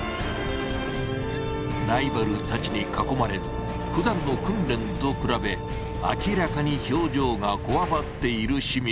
ライバルたちに囲まれふだんの訓練と比べ明らかに表情がこわばっている清水。